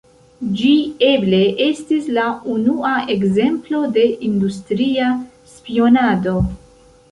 Ĝi eble estis la unua ekzemplo de industria spionado.